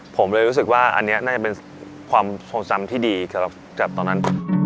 ผมเลยรู้สึกว่าอันนี้น่าจะเป็นความทรงจำที่ดีสำหรับตอนนั้น